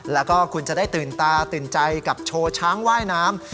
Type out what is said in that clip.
แล้วก็คุณจะได้ตื่นตาตื่นใจกับโชว์ช้างว่ายน้ำ